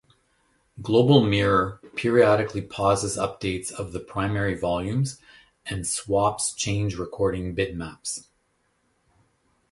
Global mirror periodically pauses updates of the primary volumes and swaps change recording bitmaps.